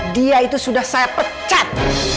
dia itu sudah saya pecat